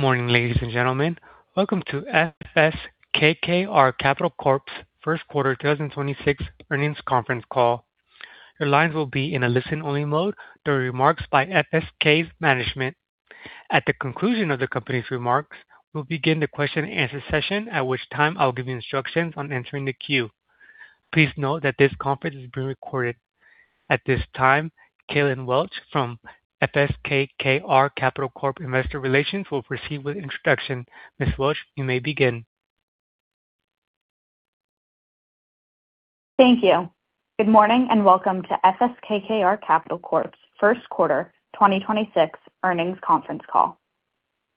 Good morning, ladies and gentlemen. Welcome to FS KKR Capital Corp.'s first quarter 2026 earnings conference call. Your lines will be in a listen-only mode during remarks by FSK's management. At the conclusion of the company's remarks, we'll begin the question and answer session, at which time I'll give you instructions on entering the queue. Please note that this conference is being recorded. At this time, Caitlin Welch from FS KKR Capital Corp. Investor Relations will proceed with introduction. Ms. Welch, you may begin. Thank you. Good morning, and welcome to FS KKR Capital Corp.'s first quarter 2026 earnings conference call.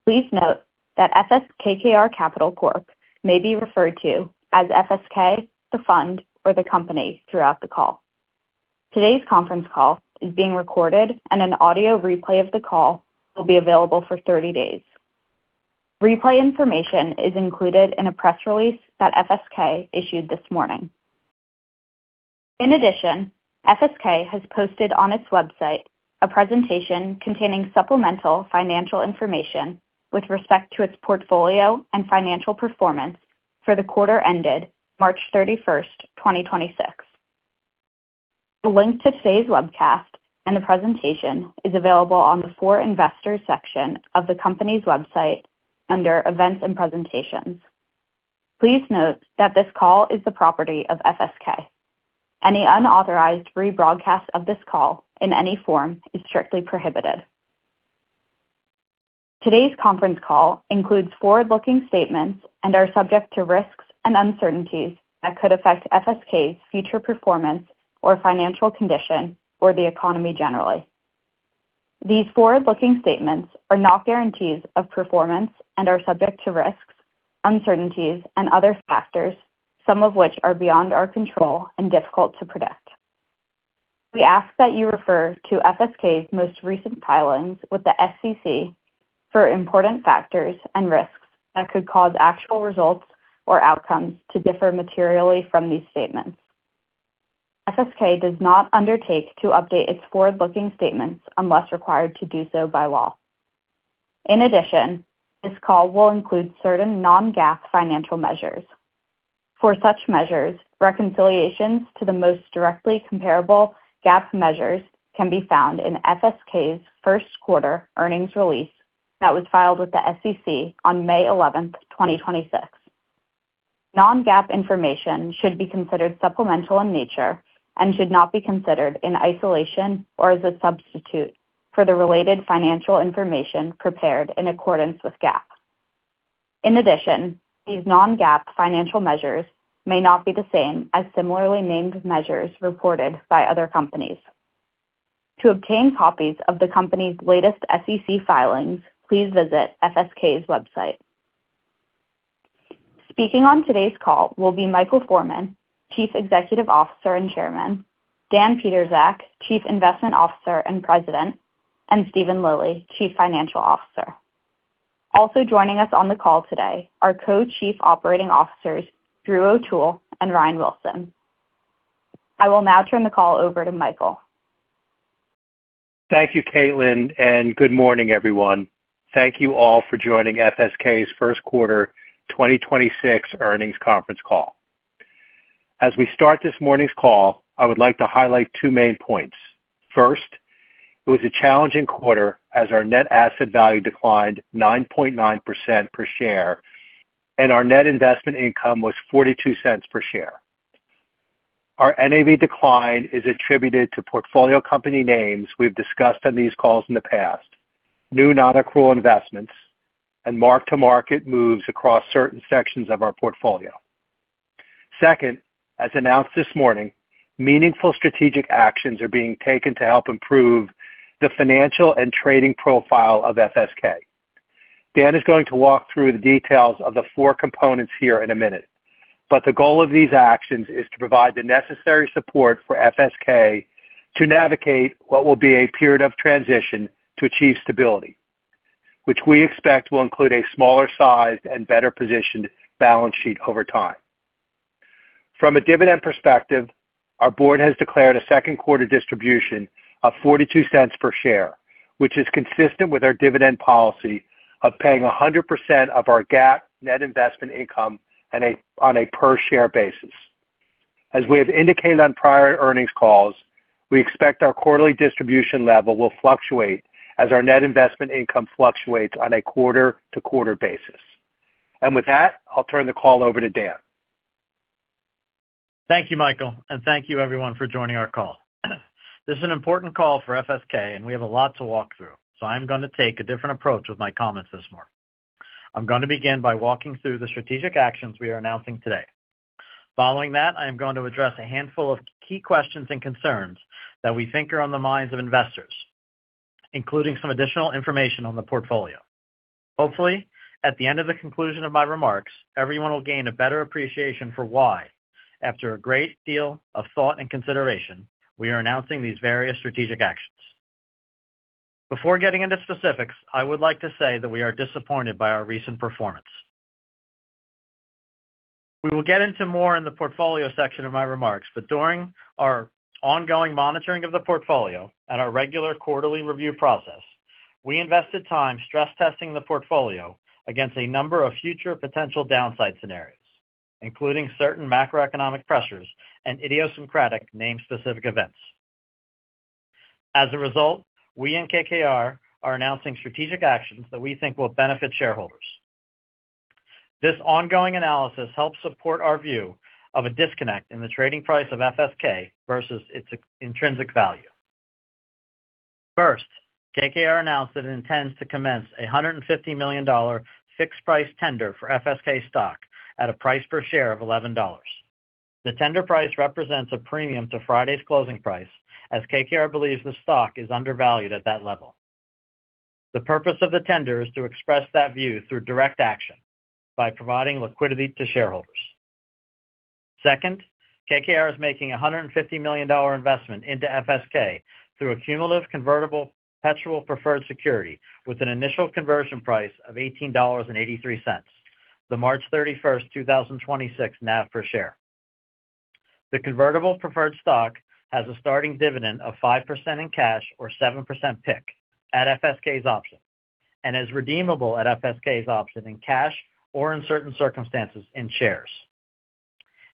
Please note that FS KKR Capital Corp. may be referred to as FSK, the Fund, or the Company throughout the call. Today's conference call is being recorded, and an audio replay of the call will be available for 30 days. Replay information is included in a press release that FSK issued this morning. In addition, FSK has posted on its website a presentation containing supplemental financial information with respect to its portfolio and financial performance for the quarter ended March 31, 2026. The link to today's webcast and the presentation is available on the For Investors section of the company's website under Events and Presentations. Please note that this call is the property of FSK. Any unauthorized rebroadcast of this call in any form is strictly prohibited. Today's conference call includes forward-looking statements and are subject to risks and uncertainties that could affect FSK's future performance or financial condition or the economy generally. These forward-looking statements are not guarantees of performance and are subject to risks, uncertainties, and other factors, some of which are beyond our control and difficult to predict. We ask that you refer to FSK's most recent filings with the SEC for important factors and risks that could cause actual results or outcomes to differ materially from these statements. FSK does not undertake to update its forward-looking statements unless required to do so by law. In addition, this call will include certain non-GAAP financial measures. For such measures, reconciliations to the most directly comparable GAAP measures can be found in FSK's first quarter earnings release that was filed with the SEC on May 11, 2026. Non-GAAP information should be considered supplemental in nature and should not be considered in isolation or as a substitute for the related financial information prepared in accordance with GAAP. In addition, these non-GAAP financial measures may not be the same as similarly named measures reported by other companies. To obtain copies of the company's latest SEC filings, please visit FSK's website. Speaking on today's call will be Michael Forman, Chief Executive Officer and Chairman; Dan Pietrzak, Chief Investment Officer and President; and Steven Lilly, Chief Financial Officer. Also joining us on the call today are Co-Chief Operating Officers Drew O'Toole and Ryan Wilson. I will now turn the call over to Michael. Thank you, Caitlin, and good morning, everyone. Thank you all for joining FSK's first quarter 2026 earnings conference call. As we start this morning's call, I would like to highlight two main points. First, it was a challenging quarter as our net asset value declined 9.9% per share, and our net investment income was $0.42 per share. Our NAV decline is attributed to portfolio company names we've discussed on these calls in the past, new non-accrual investments, and mark-to-market moves across certain sections of our portfolio. Second, as announced this morning, meaningful strategic actions are being taken to help improve the financial and trading profile of FSK. Dan is going to walk through the details of the four components here in a minute, the goal of these actions is to provide the necessary support for FSK to navigate what will be a period of transition to achieve stability, which we expect will include a smaller size and better positioned balance sheet over time. From a dividend perspective, our board has declared a second quarter distribution of $0.42 per share, which is consistent with our dividend policy of paying 100% of our GAAP net investment income on a per share basis. As we have indicated on prior earnings calls, we expect our quarterly distribution level will fluctuate as our net investment income fluctuates on a quarter-to-quarter basis. With that, I'll turn the call over to Dan. Thank you, Michael, and thank you everyone for joining our call. This is an important call for FSK, and we have a lot to walk through, so I'm gonna take a different approach with my comments this morning. I'm gonna begin by walking through the strategic actions we are announcing today. Following that, I am going to address a handful of key questions and concerns that we think are on the minds of investors, including some additional information on the portfolio. Hopefully, at the end of the conclusion of my remarks, everyone will gain a better appreciation for why, after a great deal of thought and consideration, we are announcing these various strategic actions. Before getting into specifics, I would like to say that we are disappointed by our recent performance. We will get into more in the portfolio section of my remarks, but during our ongoing monitoring of the portfolio at our regular quarterly review process, we invested time stress testing the portfolio against a number of future potential downside scenarios, including certain macroeconomic pressures and idiosyncratic name-specific events. As a result, we and KKR are announcing strategic actions that we think will benefit shareholders. This ongoing analysis helps support our view of a disconnect in the trading price of FSK versus its intrinsic value. First, KKR announced that it intends to commence a $150 million fixed price tender for FSK stock at a price per share of $11. The tender price represents a premium to Friday's closing price, as KKR believes the stock is undervalued at that level. The purpose of the tender is to express that view through direct action by providing liquidity to shareholders. Second, KKR is making a $150 million investment into FSK through a cumulative convertible perpetual preferred security with an initial conversion price of $18.83, the March 31, 2026 NAV per share. The convertible preferred stock has a starting dividend of 5% in cash or 7% PIK at FSK's option, and is redeemable at FSK's option in cash or in certain circumstances, in shares.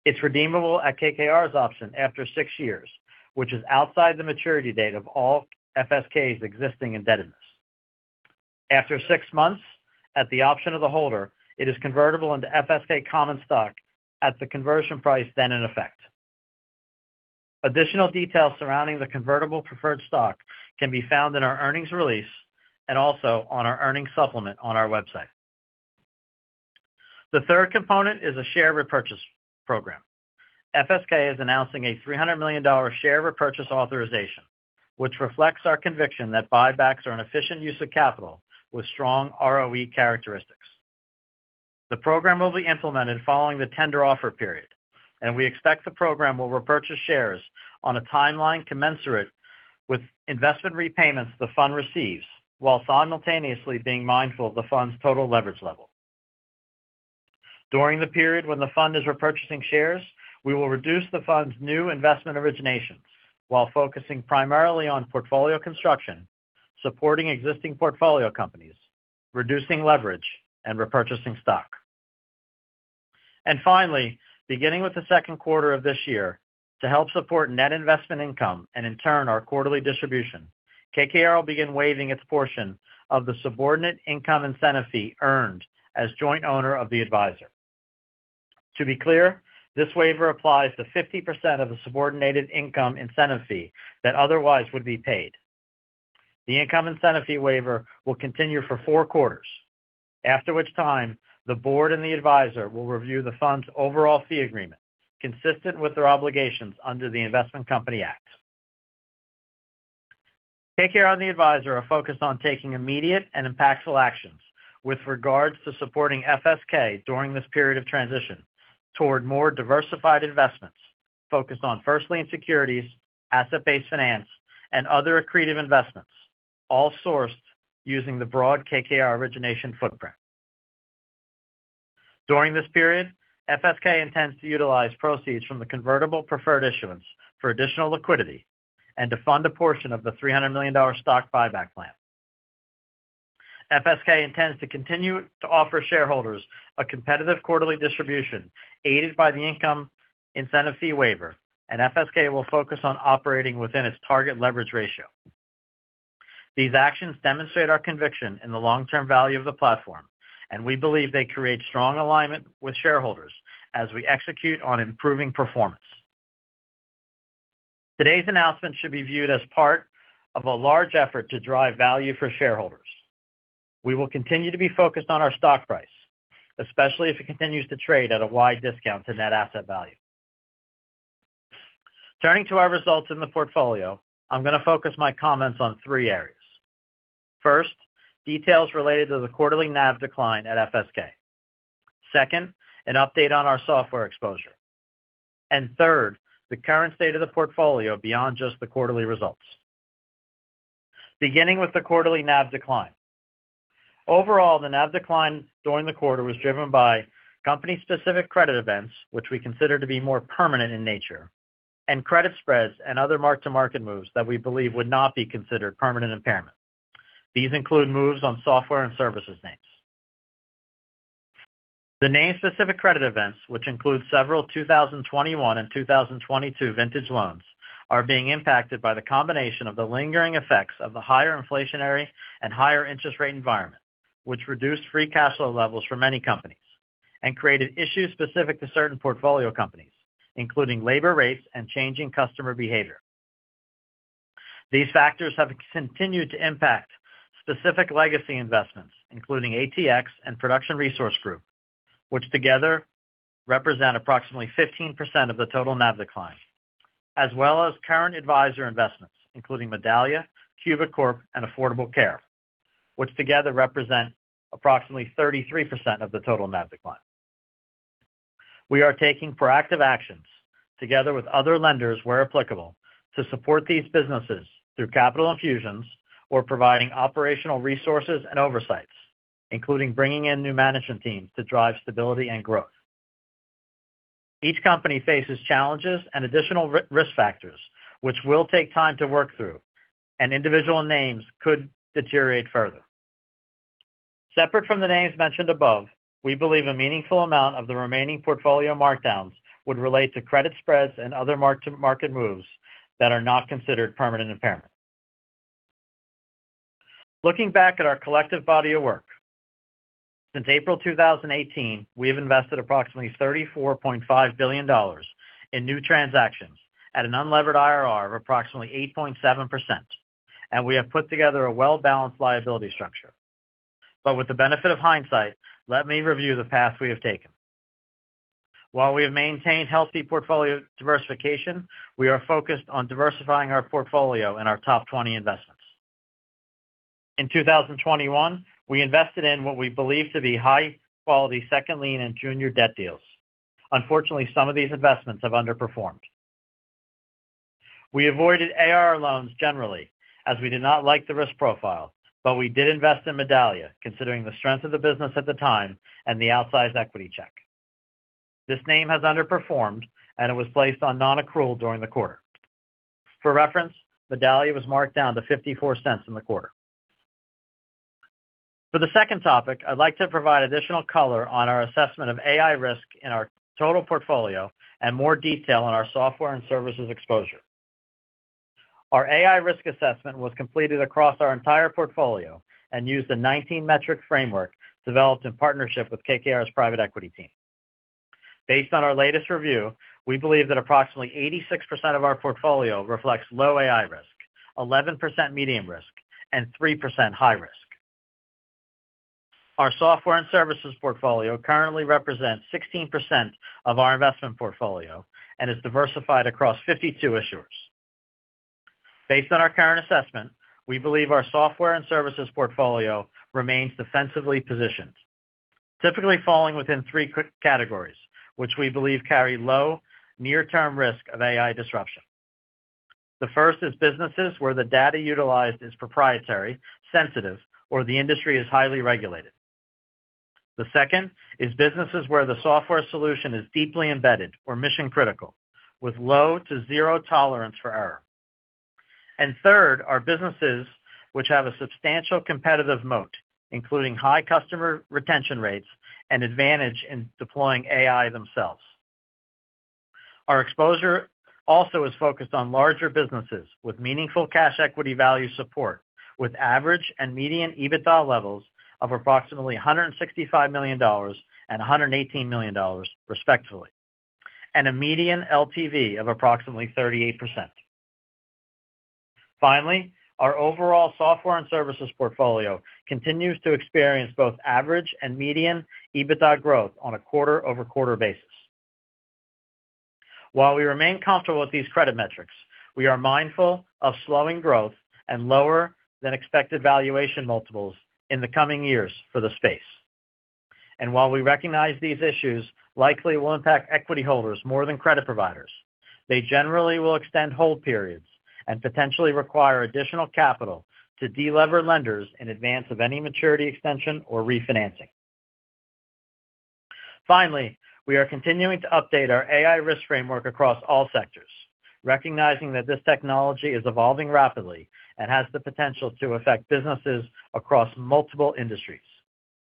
It's redeemable at KKR's option after six years, which is outside the maturity date of all FSK's existing indebtedness. After six months at the option of the holder, it is convertible into FSK common stock at the conversion price then in effect. Additional details surrounding the convertible preferred stock can be found in our earnings release and also on our earnings supplement on our website. The third component is a share repurchase program. FSK is announcing a $300 million share repurchase authorization, which reflects our conviction that buybacks are an efficient use of capital with strong ROE characteristics. The program will be implemented following the tender offer period, and we expect the program will repurchase shares on a timeline commensurate with investment repayments the fund receives, while simultaneously being mindful of the fund's total leverage level. During the period when the fund is repurchasing shares, we will reduce the fund's new investment originations while focusing primarily on portfolio construction, supporting existing portfolio companies, reducing leverage, and repurchasing stock. Finally, beginning with the second quarter of this year, to help support net investment income and in turn, our quarterly distribution, KKR will begin waiving its portion of the subordinated income incentive fee earned as joint owner of the advisor. To be clear, this waiver applies to 50% of the subordinated income incentive fee that otherwise would be paid. The income incentive fee waiver will continue for four quarters, after which time the board and the advisor will review the fund's overall fee agreement consistent with their obligations under the Investment Company Act. KKR and the advisor are focused on taking immediate and impactful actions with regards to supporting FSK during this period of transition toward more diversified investments focused on first lien securities, asset-based finance, and other accretive investments, all sourced using the broad KKR origination footprint. During this period, FSK intends to utilize proceeds from the convertible preferred issuance for additional liquidity and to fund a portion of the $300 million stock buyback plan. FSK intends to continue to offer shareholders a competitive quarterly distribution aided by the income incentive fee waiver. FSK will focus on operating within its target leverage ratio. These actions demonstrate our conviction in the long-term value of the platform. We believe they create strong alignment with shareholders as we execute on improving performance. Today's announcement should be viewed as part of a large effort to drive value for shareholders. We will continue to be focused on our stock price, especially if it continues to trade at a wide discount to net asset value. Turning to our results in the portfolio, I'm going to focus my comments on three areas. First, details related to the quarterly NAV decline at FSK. Second, an update on our software exposure. Third, the current state of the portfolio beyond just the quarterly results. Beginning with the quarterly NAV decline. Overall, the NAV decline during the quarter was driven by company specific credit events, which we consider to be more permanent in nature, and credit spreads and other mark-to-market moves that we believe would not be considered permanent impairment. These include moves on software and services names. The name specific credit events, which include several 2021 and 2022 vintage loans, are being impacted by the combination of the lingering effects of the higher inflationary and higher interest rate environment, which reduced free cash flow levels for many companies and created issues specific to certain portfolio companies, including labor rates and changing customer behavior. These factors have continued to impact specific legacy investments, including ATX and Production Resource Group, which together represent approximately 15% of the total NAV decline, as well as current advisor investments, including Medallia, Cubic Corp, and Affordable Care, which together represent approximately 33% of the total NAV decline. We are taking proactive actions together with other lenders where applicable to support these businesses through capital infusions or providing operational resources and oversights, including bringing in new management teams to drive stability and growth. Each company faces challenges and additional risk factors, which will take time to work through, and individual names could deteriorate further. Separate from the names mentioned above, we believe a meaningful amount of the remaining portfolio markdowns would relate to credit spreads and other market moves that are not considered permanent impairment. Looking back at our collective body of work, since April 2018, we have invested approximately $34.5 billion in new transactions at an unlevered IRR of approximately 8.7%, and we have put together a well-balanced liability structure. With the benefit of hindsight, let me review the path we have taken. While we have maintained healthy portfolio diversification, we are focused on diversifying our portfolio in our top 20 investments. In 2021, we invested in what we believe to be high-quality second lien and junior debt deals. Unfortunately, some of these investments have underperformed. We avoided AR loans generally as we did not like the risk profile, but we did invest in Medallia, considering the strength of the business at the time and the outsized equity check. This name has underperformed, and it was placed on non-accrual during the quarter. For reference, Medallia was marked down to $0.54 in the quarter. For the second topic, I'd like to provide additional color on our assessment of AI risk in our total portfolio and more detail on our software and services exposure. Our AI risk assessment was completed across our entire portfolio and used a 19-metric framework developed in partnership with KKR's private equity team. Based on our latest review, we believe that approximately 86% of our portfolio reflects low AI risk, 11% medium risk, and 3% high risk. Our software and services portfolio currently represents 16% of our investment portfolio and is diversified across 52 issuers. Based on our current assessment, we believe our software and services portfolio remains defensively positioned, typically falling within 3 categories, which we believe carry low near-term risk of AI disruption. The first is businesses where the data utilized is proprietary, sensitive, or the industry is highly regulated. The second is businesses where the software solution is deeply embedded or mission-critical, with low to zero tolerance for error. Third are businesses which have a substantial competitive moat, including high customer retention rates and advantage in deploying AI themselves. Our exposure also is focused on larger businesses with meaningful cash equity value support, with average and median EBITDA levels of approximately $165 million and $118 million, respectively, and a median LTV of approximately 38%. Finally, our overall software and services portfolio continues to experience both average and median EBITDA growth on a quarter-over-quarter basis. We remain comfortable with these credit metrics, we are mindful of slowing growth and lower than expected valuation multiples in the coming years for the space. While we recognize these issues likely will impact equity holders more than credit providers, they generally will extend hold periods and potentially require additional capital to delever lenders in advance of any maturity extension or refinancing. We are continuing to update our AI risk framework across all sectors, recognizing that this technology is evolving rapidly and has the potential to affect businesses across multiple industries,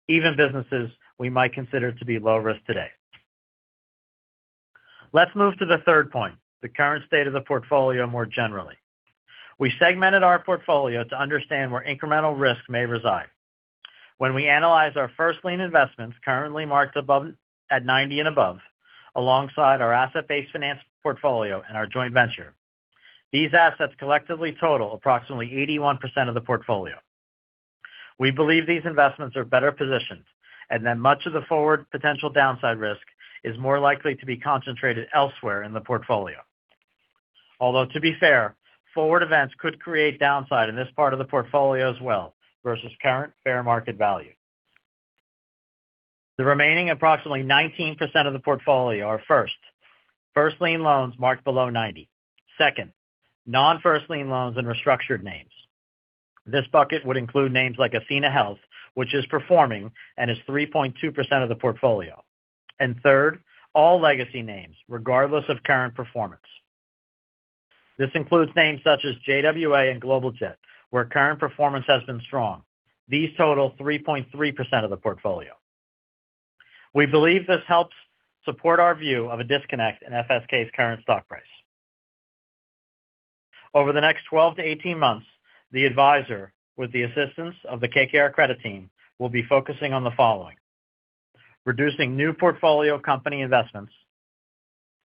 even businesses we might consider to be low risk today. Let's move to the third point, the current state of the portfolio more generally. We segmented our portfolio to understand where incremental risk may reside. When we analyze our first lien investments currently marked above at 90 and above, alongside our asset-based finance portfolio and our joint venture, these assets collectively total approximately 81% of the portfolio. We believe these investments are better positioned and that much of the forward potential downside risk is more likely to be concentrated elsewhere in the portfolio. Although to be fair, forward events could create downside in this part of the portfolio as well versus current fair market value. The remaining approximately 19% of the portfolio are, first lien loans marked below 90. Second, non-first lien loans and restructured names. This bucket would include names like athenahealth, which is performing and is 3.2% of the portfolio. third, all legacy names, regardless of current performance. This includes names such as JWA and Global Jet, where current performance has been strong. These total 3.3% of the portfolio. We believe this helps support our view of a disconnect in FSK's current stock price. Over the next 12-18 months, the advisor, with the assistance of the KKR credit team, will be focusing on the following: reducing new portfolio company investments,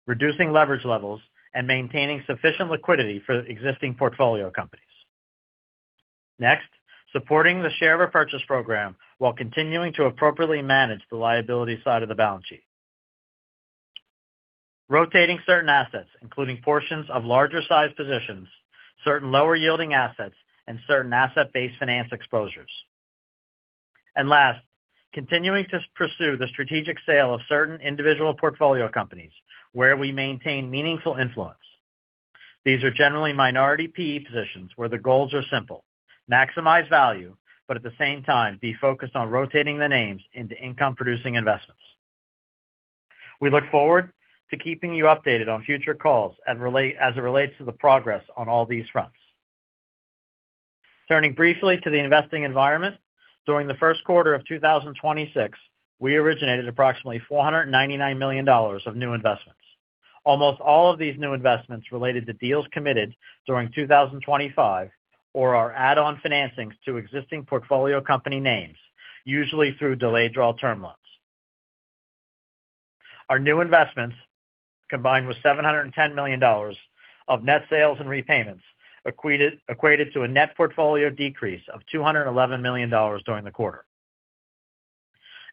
reducing leverage levels, and maintaining sufficient liquidity for existing portfolio companies. Next, supporting the share repurchase program while continuing to appropriately manage the liability side of the balance sheet. Rotating certain assets, including portions of larger sized positions, certain lower yielding assets, and certain asset-based finance exposures. Last, continuing to pursue the strategic sale of certain individual portfolio companies where we maintain meaningful influence. These are generally minority PE positions where the goals are simple. Maximize value, but at the same time, be focused on rotating the names into income-producing investments. We look forward to keeping you updated on future calls as it relates to the progress on all these fronts. Turning briefly to the investing environment. During the first quarter of 2026, we originated approximately $499 million of new investments. Almost all of these new investments related to deals committed during 2025 or are add-on financings to existing portfolio company names, usually through delayed draw term loans. Our new investments, combined with $710 million of net sales and repayments, equated to a net portfolio decrease of $211 million during the quarter.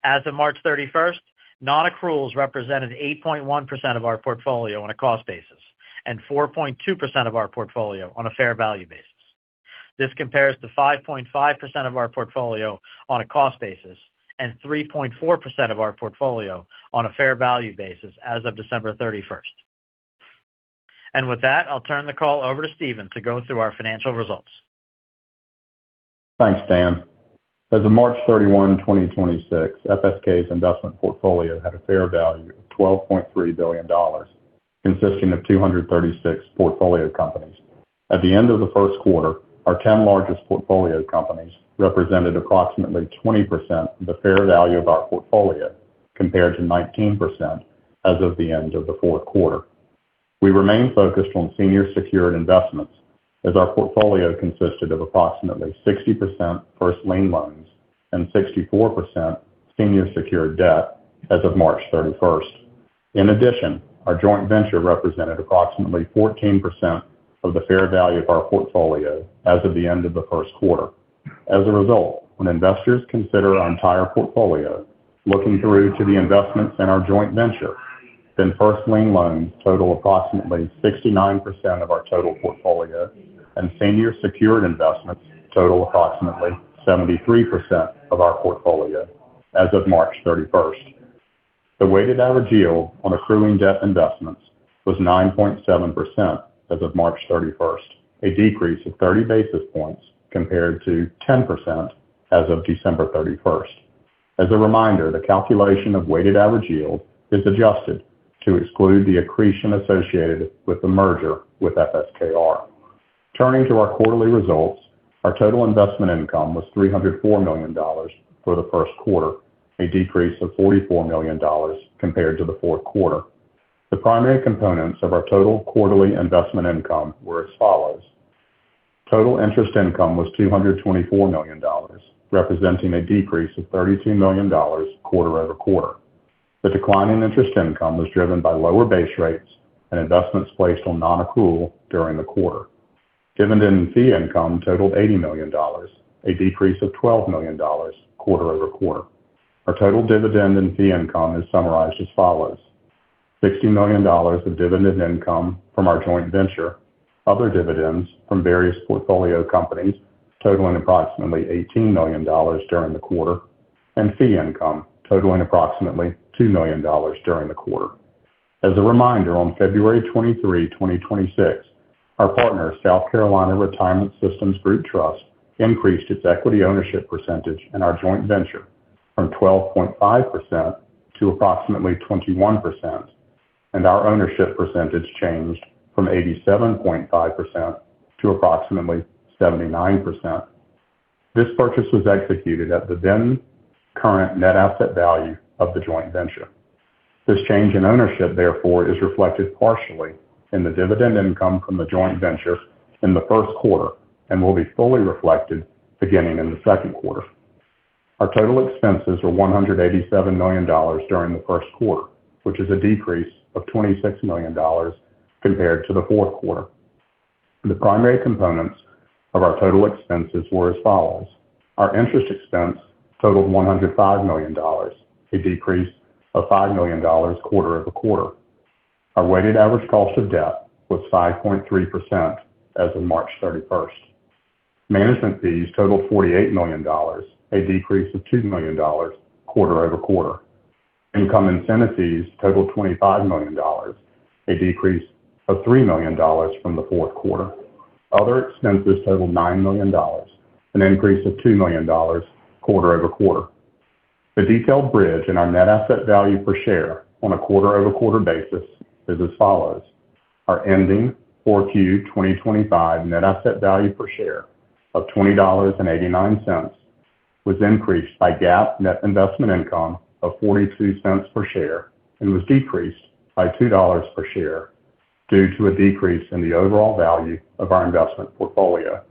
As of March 31st, non-accruals represented 8.1% of our portfolio on a cost basis and 4.2% of our portfolio on a fair value basis. This compares to 5.5% of our portfolio on a cost basis and 3.4% of our portfolio on a fair value basis as of December 31st. With that, I'll turn the call over to Steven to go through our financial results. Thanks, Dan. As of March 31, 2026, FSK's investment portfolio had a fair value of $12.3 billion, consisting of 236 portfolio companies. At the end of the first quarter, our 10 largest portfolio companies represented approximately 20% of the fair value of our portfolio, compared to 19% as of the end of the fourth quarter. We remain focused on senior secured investments as our portfolio consisted of approximately 60% first lien loans and 64% senior secured debt as of March 31st. In addition, our joint venture represented approximately 14% of the fair value of our portfolio as of the end of the first quarter. As a result, when investors consider our entire portfolio, looking through to the investments in our joint venture, then first lien loans total approximately 69% of our total portfolio and senior secured investments total approximately 73% of our portfolio as of March 31st. The weighted average yield on accruing debt investments was 9.7% as of March 31st, a decrease of 30 basis points compared to 10% as of December 31st. As a reminder, the calculation of weighted average yield is adjusted to exclude the accretion associated with the merger with FSKR. Turning to our quarterly results, our total investment income was $304 million for the first quarter, a decrease of $44 million compared to the fourth quarter. The primary components of our total quarterly investment income were as follows. Total interest income was $224 million, representing a decrease of $32 million quarter-over-quarter. The decline in interest income was driven by lower base rates and investments placed on non-accrual during the quarter. Dividend and fee income totaled $80 million, a decrease of $12 million quarter-over-quarter. Our total dividend and fee income is summarized as follows. $60 million of dividend income from our joint venture, other dividends from various portfolio companies totaling approximately $18 million during the quarter, and fee income totaling approximately $2 million during the quarter. As a reminder, on February 23, 2026, our partner, South Carolina Retirement Systems Group Trust, increased its equity ownership percentage in our joint venture from 12.5% to approximately 21%, and our ownership percentage changed from 87.5% to approximately 79%. This purchase was executed at the then current net asset value of the joint venture. This change in ownership, therefore, is reflected partially in the dividend income from the joint venture in the first quarter and will be fully reflected beginning in the second quarter. Our total expenses were $187 million during the first quarter, which is a decrease of $26 million compared to the fourth quarter. The primary components of our total expenses were as follows. Our interest expense totaled $105 million, a decrease of $5 million quarter-over-quarter. Our weighted average cost of debt was 5.3% as of March 31st. Management fees totaled $48 million, a decrease of $2 million quarter-over-quarter. Income incentive fees totaled $25 million, a decrease of $3 million from the fourth quarter. Other expenses totaled $9 million, an increase of $2 million quarter-over-quarter. The detailed bridge in our NAV per share on a quarter-over-quarter basis is as follows. Our ending 4Q 2025 NAV per share of $20.89 was increased by GAAP net investment income of $0.42 per share and was decreased by $2 per share due to a decrease in the overall value of our investment portfolio.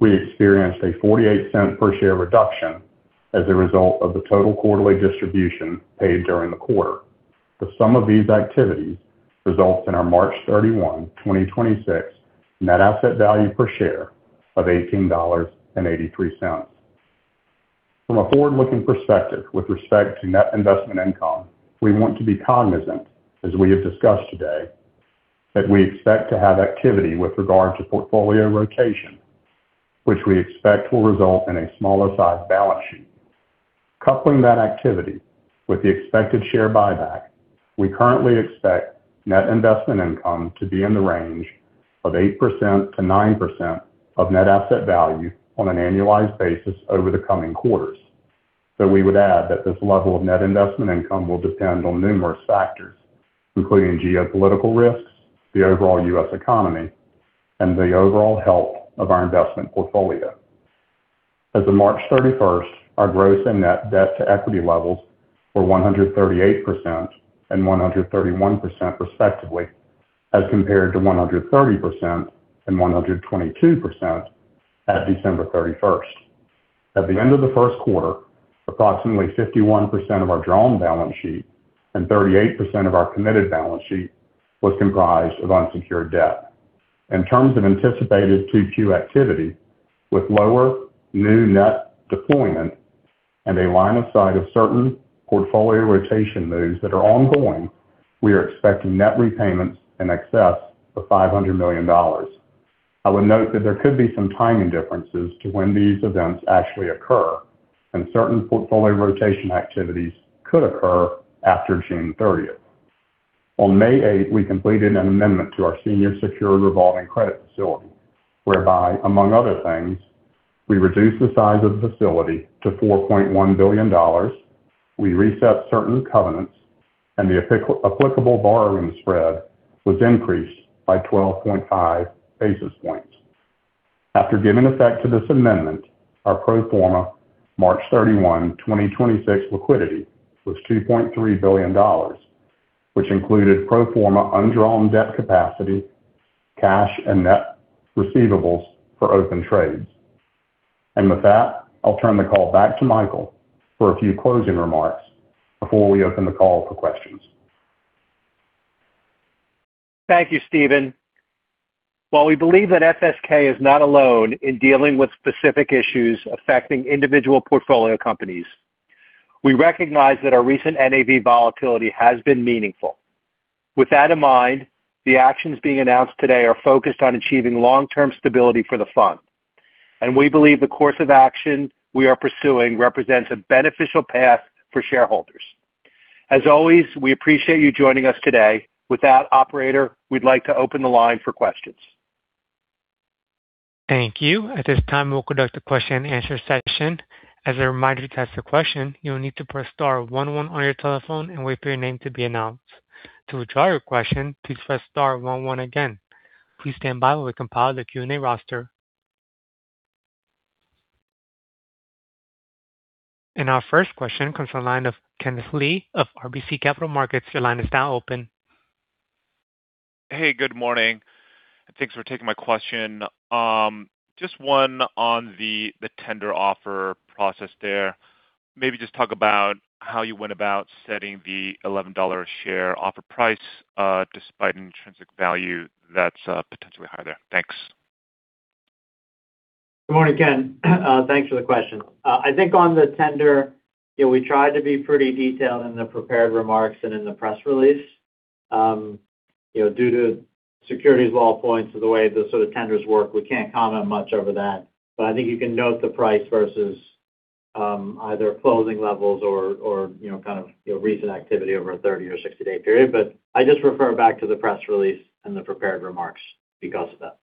We experienced a $0.48 per share reduction as a result of the total quarterly distribution paid during the quarter. The sum of these activities results in our March 31, 2026 NAV per share of $18.83. From a forward-looking perspective with respect to net investment income, we want to be cognizant, as we have discussed today that we expect to have activity with regard to portfolio rotation, which we expect will result in a smaller sized balance sheet. Coupling that activity with the expected share buyback, we currently expect net investment income to be in the range of 8%-9% of net asset value on an annualized basis over the coming quarters. We would add that this level of net investment income will depend on numerous factors, including geopolitical risks, the overall U.S. economy, and the overall health of our investment portfolio. As of March 31st, our gross and net debt to equity levels were 138% and 131% respectively, as compared to 130% and 122% at December 31st. At the end of the first quarter, approximately 51% of our drawn balance sheet and 38% of our committed balance sheet was comprised of unsecured debt. In terms of anticipated 2Q activity with lower new net deployment and a line of sight of certain portfolio rotation moves that are ongoing, we are expecting net repayments in excess of $500 million. I would note that there could be some timing differences to when these events actually occur, and certain portfolio rotation activities could occur after June 30th. On May 8th, we completed an amendment to our senior secured revolving credit facility, whereby, among other things, we reduced the size of the facility to $4.1 billion. We reset certain covenants, and the applicable borrowing spread was increased by 12.5 basis points. After giving effect to this amendment, our pro forma March 31, 2026 liquidity was $2.3 billion, which included pro forma undrawn debt capacity, cash, and net receivables for open trades. With that, I'll turn the call back to Michael for a few closing remarks before we open the call for questions. Thank you, Steven. While we believe that FSK is not alone in dealing with specific issues affecting individual portfolio companies, we recognize that our recent NAV volatility has been meaningful. We believe the course of action we are pursuing represents a beneficial path for shareholders. As always, we appreciate you joining us today. With that, operator, we'd like to open the line for questions. Thank you. At this time, we'll conduct a question and answer session. Our first question comes from the line of Kenneth Lee of RBC Capital Markets. Your line is now open. Hey, good morning. Thanks for taking my question. Just one on the tender offer process there. Maybe just talk about how you went about setting the $11 a share offer price, despite an intrinsic value that's potentially higher. Thanks. Good morning, Ken. Thanks for the question. I think on the tender, you know, we tried to be pretty detailed in the prepared remarks and in the press release. You know, due to securities law points or the way the sort of tenders work, we can't comment much over that. I think you can note the price versus either closing levels or, you know, recent activity over a 30 or 60-day period. I just refer back to the press release and the prepared remarks because of that.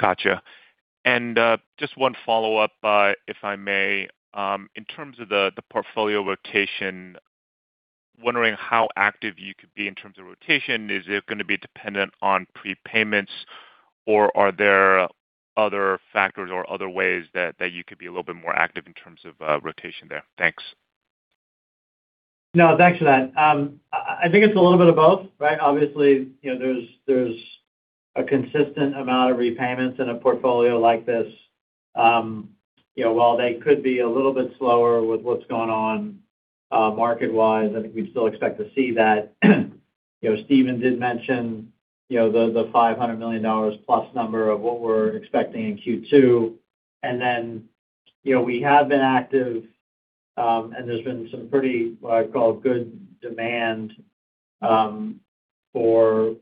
Gotcha. Just one follow-up, if I may. In terms of the portfolio rotation, wondering how active you could be in terms of rotation. Is it gonna be dependent on prepayments or are there other factors or other ways that you could be a little bit more active in terms of rotation there? Thanks. No, thanks for that. I think it's a little bit of both, right? Obviously, you know, there's a consistent amount of repayments in a portfolio like this. You know, while they could be a little bit slower with what's going on, market-wise, I think we'd still expect to see that. You know, Steven did mention, you know, the $500 million+ number of what we're expecting in Q2. You know, we have been active, and there's been some pretty, what I'd call, good demand, for,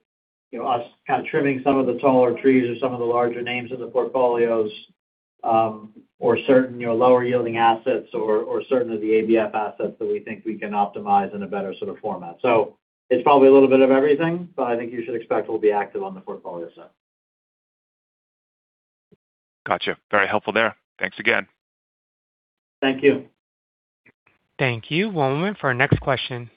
you know, us kind of trimming some of the taller trees or some of the larger names in the portfolios, or certain, you know, lower yielding assets or certain of the ABF assets that we think we can optimize in a better sort of format. It's probably a little bit of everything, but I think you should expect we'll be active on the portfolio side. Gotcha. Very helpful there. Thanks again. Thank you. Thank you. One moment for our next question.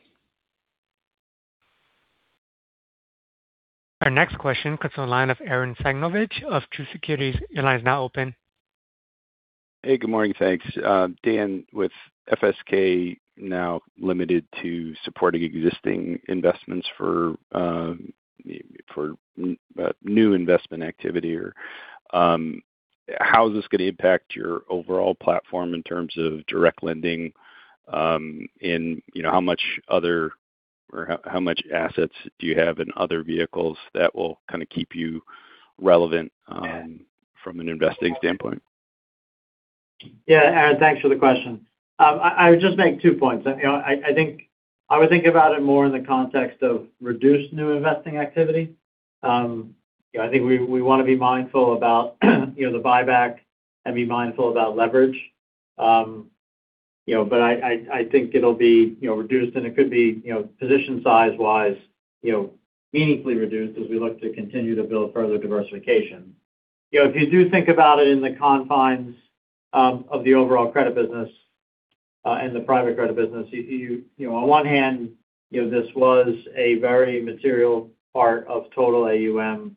Our next question comes from the line of Arren Cyganovich of Truist Securities. Your line is now open. Hey, good morning. Thanks. Dan, with FSK now limited to supporting existing investments for new investment activity or, how is this gonna impact your overall platform in terms of direct lending? You know, how much assets do you have in other vehicles that will kinda keep you relevant from an investing standpoint? Arren, thanks for the question. I would just make two points. You know, I would think about it more in the context of reduced new investing activity. You know, I think we wanna be mindful about, you know, the buyback and be mindful about leverage. You know, I, I think it'll be, you know, reduced, and it could be, you know, position size-wise, you know, meaningfully reduced as we look to continue to build further diversification. You know, if you do think about it in the confines of the overall credit business, and the private credit business, You know, on one hand, you know, this was a very material part of total AUM.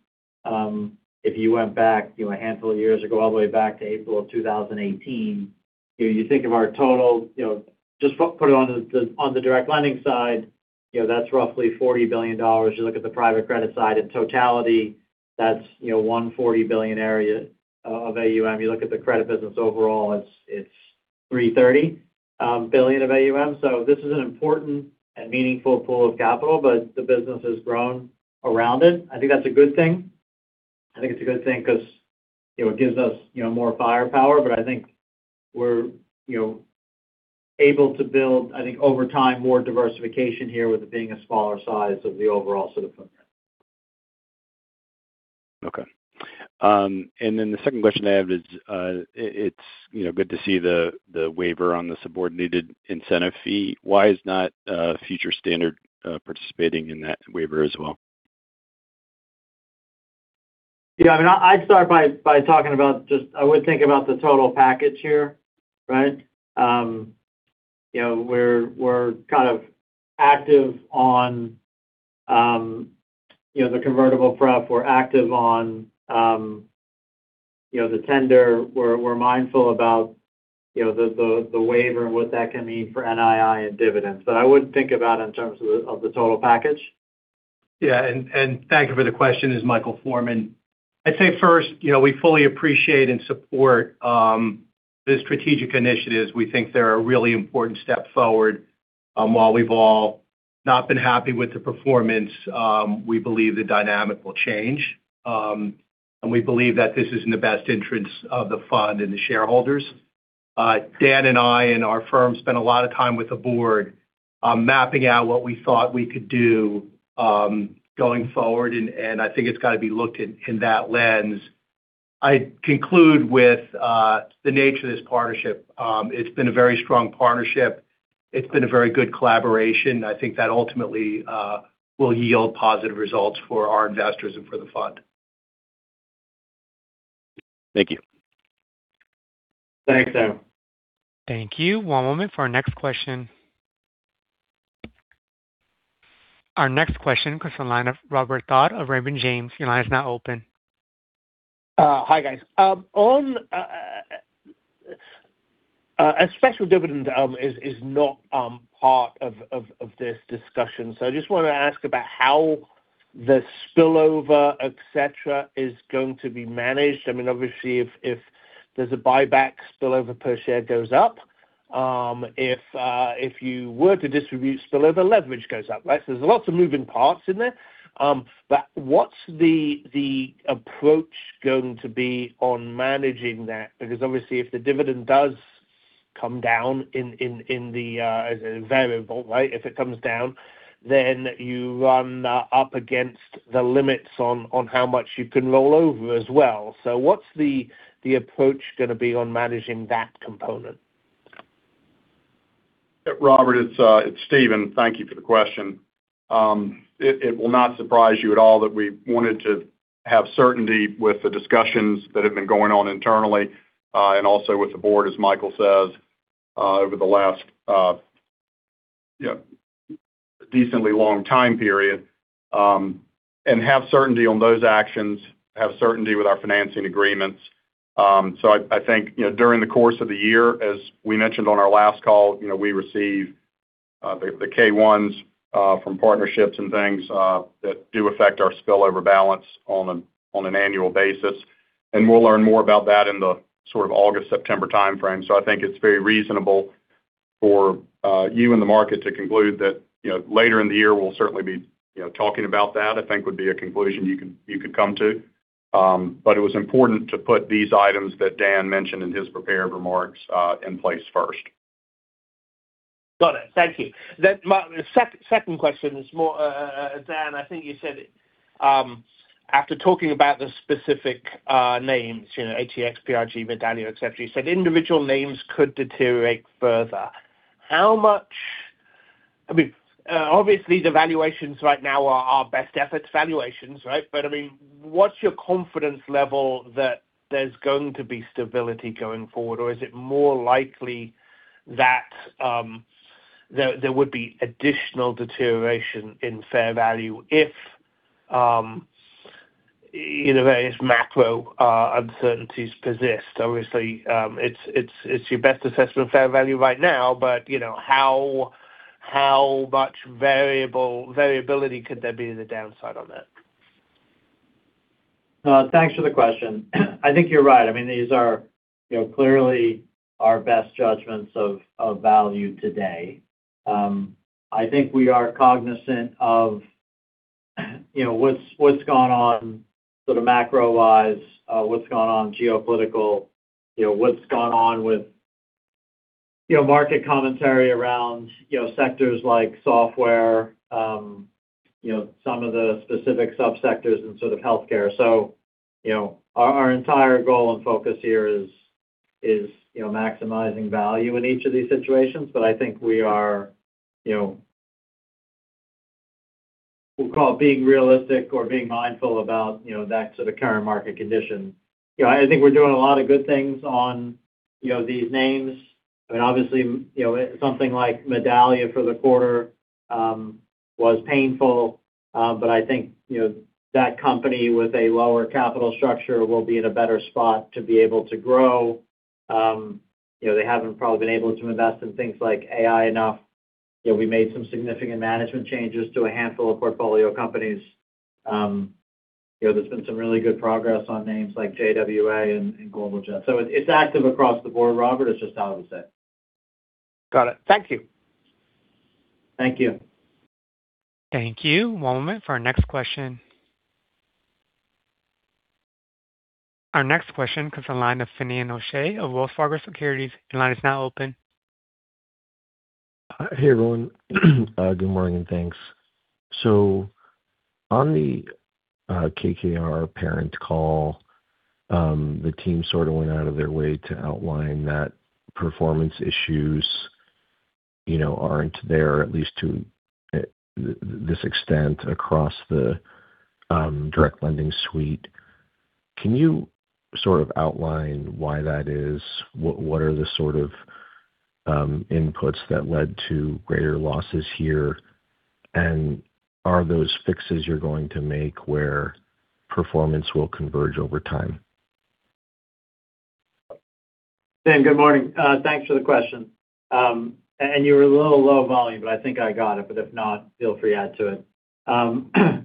If you went back, you know, a handful of years ago, all the way back to April of 2018, you know, you think of our total, you know, just put it on the direct lending side, you know, that's roughly $40 billion. You look at the private credit side in totality, that's, you know, $140 billion area of AUM. You look at the credit business overall, it's $330 billion of AUM. This is an important and meaningful pool of capital, but the business has grown around it. I think that's a good thing. I think it's a good thing 'cause, you know, it gives us, you know, more firepower. I think we're, you know, able to build, I think, over time, more diversification here with it being a smaller size of the overall sort of footprint. Okay. The second question I have is, you know, good to see the waiver on the subordinated incentive fee. Why is not Future Standard participating in that waiver as well? Yeah. I mean, I'd start by just I would think about the total package here, right? You know, we're kind of active on, you know, the convertible preferred. We're active on, you know, the tender. We're mindful about, you know, the waiver and what that can mean for NII and dividends. I would think about in terms of the, of the total package. Thank you for the question. This is Michael Forman. I'd say first, we fully appreciate and support the strategic initiatives. We think they're a really important step forward. While we've all not been happy with the performance, we believe the dynamic will change. We believe that this is in the best interest of the fund and the shareholders. Dan and I and our firm spent a lot of time with the board, mapping out what we thought we could do going forward. I think it's gotta be looked at in that lens. I conclude with the nature of this partnership. It's been a very strong partnership. It's been a very good collaboration. I think that ultimately will yield positive results for our investors and for the fund. Thank you. Thanks, Arren. Thank you. One moment for our next question. Our next question comes from the line of Robert Dodd of Raymond James. Your line is now open. Hi, guys. On a special dividend is not part of this discussion. I just want to ask about how the spillover, et cetera, is going to be managed. I mean, obviously if there's a buyback, spillover per share goes up. If you were to distribute spillover, leverage goes up, right? There's lots of moving parts in there. But what's the approach going to be on managing that? Because obviously if the dividend does come down in the as a variable, right? If it comes down, then you run up against the limits on how much you can roll over as well. What's the approach going to be on managing that component? Robert, it's Steven. Thank you for the question. It will not surprise you at all that we wanted to have certainty with the discussions that have been going on internally, and also with the board, as Michael says, over the last, you know, decently long time period, and have certainty on those actions, have certainty with our financing agreements. I think, you know, during the course of the year, as we mentioned on our last call, you know, we receive the K-1s from partnerships and things that do affect our spillover balance on an annual basis. And we'll learn more about that in the sort of August, September timeframe. I think it's very reasonable for you and the market to conclude that, you know, later in the year, we'll certainly be, you know, talking about that, I think would be a conclusion you could, you could come to. It was important to put these items that Dan mentioned in his prepared remarks in place first. Got it. Thank you. My second question is more, Dan, I think you said it, after talking about the specific names, you know, ATX, PRG, Medallia, et cetera, you said individual names could deteriorate further. How much I mean, obviously the valuations right now are our best efforts valuations, right? I mean, what's your confidence level that there's going to be stability going forward? Is it more likely that there would be additional deterioration in fair value if, you know, various macro uncertainties persist? Obviously, it's your best assessment of fair value right now, but, you know, how much variability could there be in the downside on that? Thanks for the question. I think you're right. I mean, these are, you know, clearly our best judgments of value today. I think we are cognizant of, you know, what's gone on sort of macro wise, what's gone on geopolitical, you know, what's gone on with, you know, market commentary around, you know, sectors like software, you know, some of the specific sub-sectors in sort of healthcare. Our, you know, our entire goal and focus here is, you know, maximizing value in each of these situations. I think we are, you know, we'll call it being realistic or being mindful about, you know, back to the current market condition. You know, I think we're doing a lot of good things on, you know, these names. I mean, obviously, you know, something like Medallia for the quarter was painful. I think that company with a lower capital structure will be in a better spot to be able to grow. They haven't probably been able to invest in things like AI enough. We made some significant management changes to a handful of portfolio companies. There's been some really good progress on names like JWA and Global Jet. It's active across the board, Robert. It's just how I would say. Got it. Thank you. Thank you. Thank you. One moment for our next question. Our next question comes the line of Finian O'Shea of Wells Fargo Securities. Your line is now open. Hey, everyone. Good morning, and thanks. On the KKR parent call, the team sort of went out of their way to outline that performance issues, you know, aren't there at least to this extent across the direct lending suite. Can you sort of outline why that is? What are the sort of inputs that led to greater losses here? Are those fixes you're going to make where performance will converge over time? Finian, good morning. Thanks for the question. You were a little low volume, but I think I got it. If not, feel free to add to it.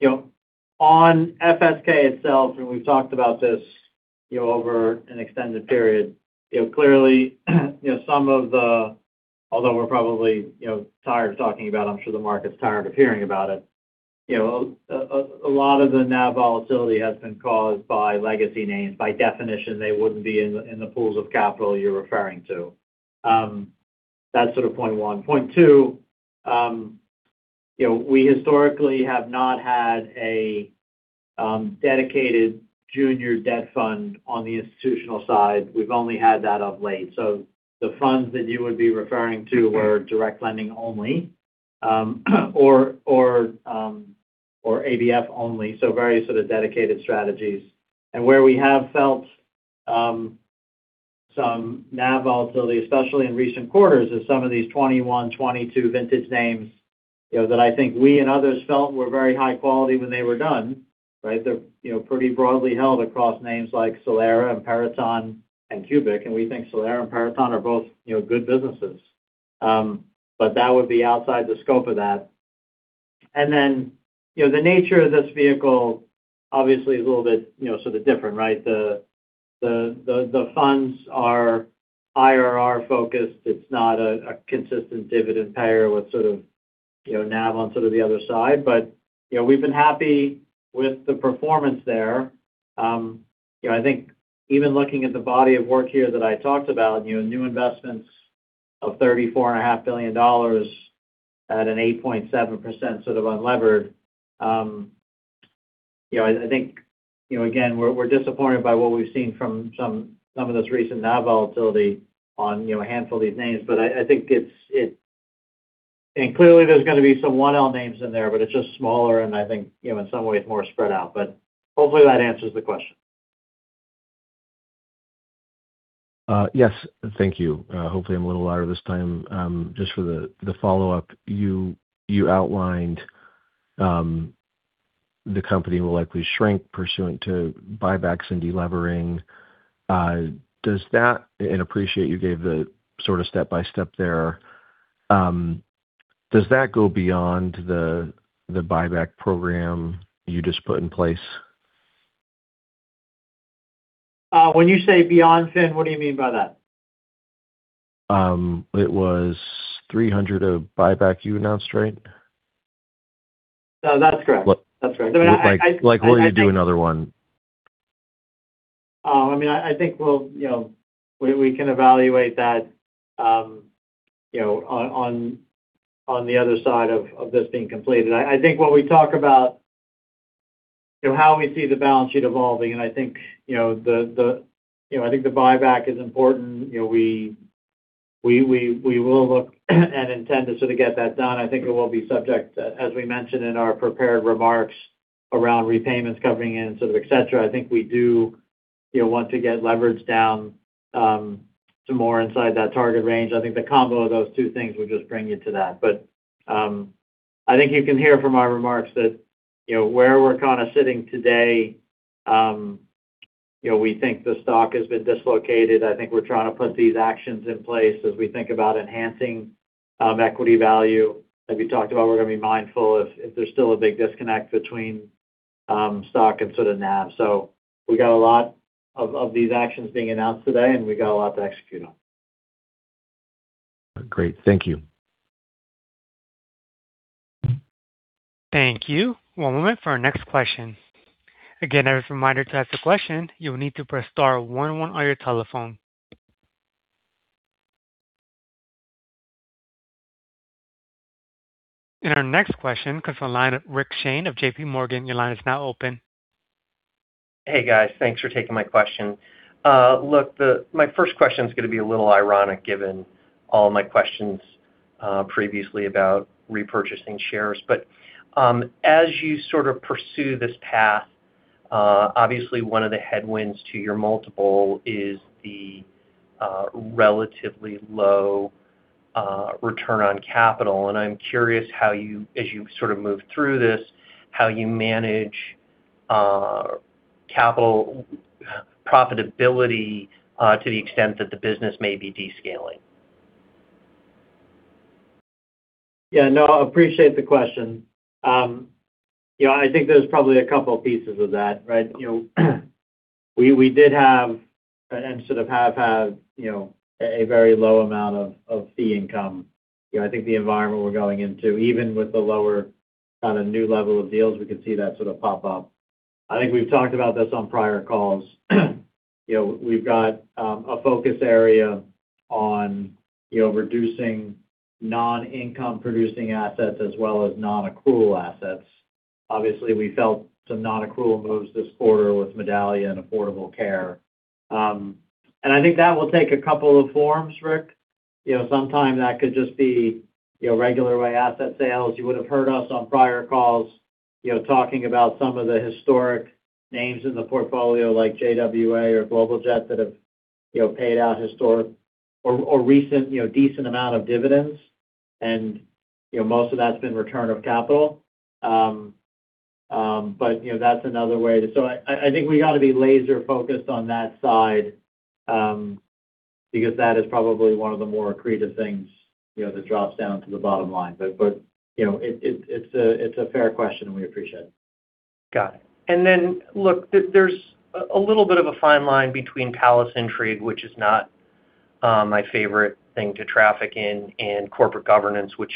You know, on FSK itself, we've talked about this, you know, over an extended period. You know, clearly, you know, some of the, although we're probably, you know, tired of talking about it, I'm sure the market's tired of hearing about it. You know, a lot of the NAV volatility has been caused by legacy names. By definition, they wouldn't be in the pools of capital you're referring to. That's sort of point one. Point two, you know, we historically have not had a dedicated junior debt fund on the institutional side. We've only had that of late. The funds that you would be referring to were direct lending only, or ABF only. Very sort of dedicated strategies. Where we have felt, some NAV volatility, especially in recent quarters, is some of these 21, 22 vintage names, you know, that I think we and others felt were very high quality when they were done, right? They're, you know, pretty broadly held across names like Solera and Peraton and Cubic, and we think Solera and Peraton are both, you know, good businesses. That would be outside the scope of that. Then, you know, the nature of this vehicle obviously is a little bit, you know, sort of different, right? The funds are IRR-focused. It's not a consistent dividend payer with sort of, you know, NAV on sort of the other side. You know, we've been happy with the performance there. You know, I think even looking at the body of work here that I talked about, you know, new investments of thirty-four and a half billion dollars at an 8.7% sort of unlevered. You know, I think, you know, again, we're disappointed by what we've seen from some of this recent NAV volatility on, you know, a handful of these names. I think, and clearly there's gonna be some 1L names in there, but it's just smaller and I think, you know, in some ways more spread out. Hopefully that answers the question. Yes. Thank you. Hopefully I'm a little louder this time. Just for the follow-up. You outlined the company will likely shrink pursuant to buybacks and de-levering. And appreciate you gave the sort of step-by-step there. Does that go beyond the buyback program you just put in place? When you say beyond, Fin, what do you mean by that? It was $300 of buyback you announced, right? No, that's correct. Like- That's correct. I mean. Like will you do another one? I mean, I think we'll, you know, we can evaluate that, you know, on the other side of this being completed. I think when we talk about, you know, how we see the balance sheet evolving, and I think, you know, the, you know, I think the buyback is important. You know, we will look and intend to sort of get that done. I think it will be subject, as we mentioned in our prepared remarks around repayments coming in, sort of et cetera. I think we do, you know, want to get leverage down to more inside that target range. I think the combo of those two things would just bring you to that. I think you can hear from our remarks that, you know, where we're kind of sitting today, you know, we think the stock has been dislocated. I think we're trying to put these actions in place as we think about enhancing equity value. As we talked about, we're gonna be mindful if there's still a big disconnect between stock and sort of NAV. We got a lot of these actions being announced today, and we got a lot to execute on. Great. Thank you. Thank you. One moment for our next question. Again, as a reminder, to ask a question, you will need to press star one one on your telephone. Our next question comes from the line of Rick Shane of JPMorgan. Your line is now open. Hey, guys. Thanks for taking my question. Look, my first question is gonna be a little ironic given all my questions previously about repurchasing shares. As you sort of pursue this path, obviously one of the headwinds to your multiple is the relatively low return on capital. I'm curious how you, as you sort of move through this, how you manage capital profitability to the extent that the business may be descaling. Yeah, no, appreciate the question. You know, I think there's probably a couple pieces of that, right? You know, we did have and sort of have had, you know, a very low amount of fee income. You know, I think the environment we're going into, even with the lower kind of new level of deals, we can see that sort of pop up. I think we've talked about this on prior calls. You know, we've got a focus area on, you know, reducing non-income producing assets as well as non-accrual assets. Obviously, we felt some non-accrual moves this quarter with Medallia and Affordable Care. I think that will take a couple of forms, Rick. You know, sometimes that could just be, you know, regular way asset sales. You would have heard us on prior calls, you know, talking about some of the historic names in the portfolio like JWA or Global Jet that have, you know, paid out historic or recent, you know, decent amount of dividends. You know, most of that's been return of capital. You know, that's another way. So I think we gotta be laser focused on that side, because that is probably one of the more accretive things, you know, that drops down to the bottom line. You know, it's a fair question and we appreciate it. Got it. Look, there's a little bit of a fine line between palace intrigue, which is not my favorite thing to traffic in, and corporate governance, which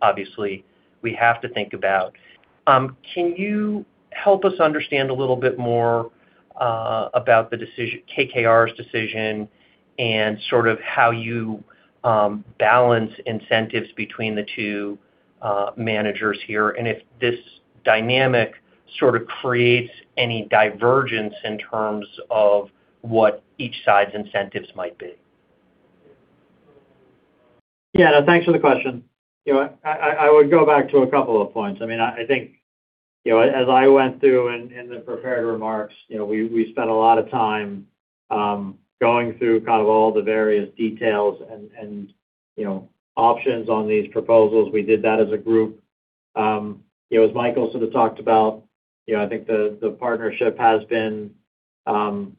obviously we have to think about. Can you help us understand a little bit more about KKR's decision and sort of how you balance incentives between the two managers here, and if this dynamic sort of creates any divergence in terms of what each side's incentives might be? No, thanks for the question. You know, I would go back to a couple of points. I mean, I think, you know, as I went through in the prepared remarks, you know, we spent a lot of time, going through kind of all the various details and, you know, options on these proposals. We did that as a group. You know, as Michael sort of talked about, you know, I think the partnership has been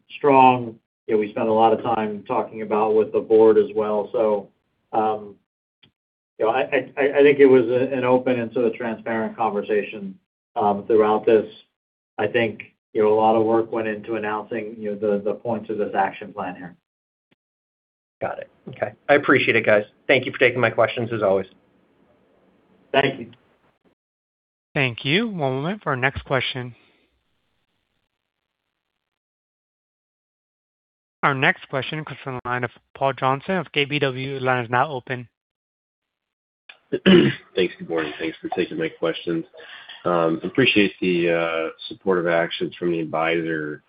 strong. You know, we spent a lot of time talking about with the board as well. I think, you know, it was an open and sort of transparent conversation throughout this. I think, you know, a lot of work went into announcing, you know, the points of this action plan here. Got it. Okay. I appreciate it, guys. Thank you for taking my questions as always. Thank you. Thank you. One moment for our next question. Our next question comes from the line of Paul Johnson of KBW. Your line is now open. Thanks. Good morning. Thanks for taking my questions. Appreciate the supportive actions from the advisor,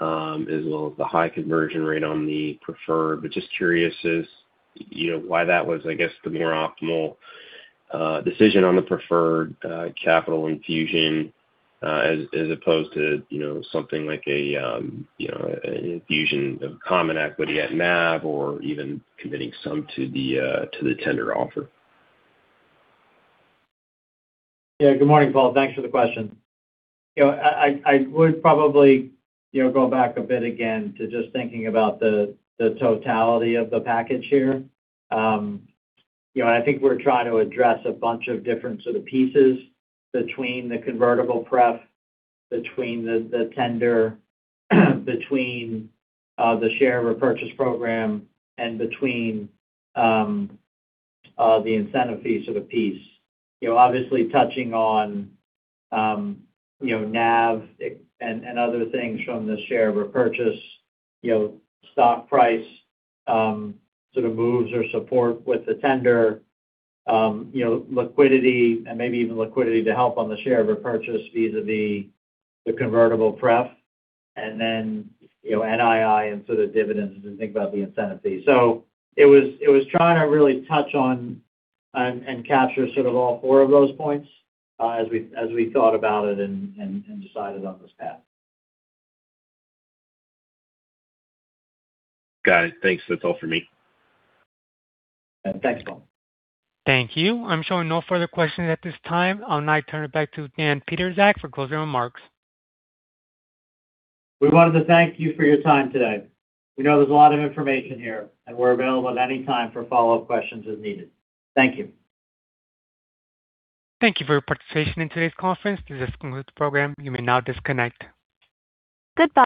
as well as the high conversion rate on the preferred. Just curious as, you know, why that was, I guess, the more optimal decision on the preferred capital infusion, as opposed to, you know, something like a, you know, an infusion of common equity at NAV or even committing some to the tender offer. Yeah. Good morning, Paul. Thanks for the question. You know, I would probably, you know, go back a bit again to just thinking about the totality of the package here. You know, I think we're trying to address a bunch of different sort of pieces between the convertible pref, between the tender, between the share repurchase program, and between the incentive fees of a piece. You know, obviously touching on, you know, NAV and other things from the share repurchase, you know, stock price sort of moves or support with the tender, you know, liquidity and maybe even liquidity to help on the share repurchase vis-a-vis the convertible pref. You know, NII and sort of dividends as we think about the incentive fee. It was trying to really touch on and capture sort of all four of those points, as we thought about it and decided on this path. Got it. Thanks. That's all for me. Thanks, Paul. Thank you. I'm showing no further questions at this time. I'll now turn it back to Dan Pietrzak for closing remarks. We wanted to thank you for your time today. We know there's a lot of information here, and we're available at any time for follow-up questions as needed. Thank you. Thank you for your participation in today's conference. This does conclude the program. You may now disconnect. Goodbye.